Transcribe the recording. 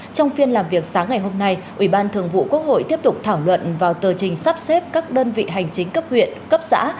trong phiên làm việc sáng ngày hôm nay ủy ban thường vụ quốc hội tiếp tục thảo luận vào tờ trình sắp xếp các đơn vị hành chính cấp huyện cấp xã